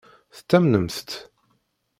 Tettamnemt-t?